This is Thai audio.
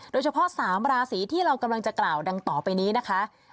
โดยเฉพาะ๓ราศีที่เรากำลังจะกล่าวดังต่อไปนี้นะคะ